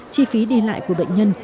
chi phí đi lại của bệnh nhân